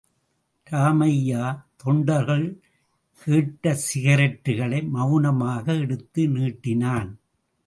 ராமையா, தொண்டர்கள் கேட்ட சிகரெட்டுகளை, மவுனமாக எடுத்து நீட்டினான்.